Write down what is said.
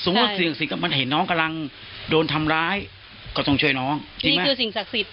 นี่คือสิ่งศักดิ์สิทธิ์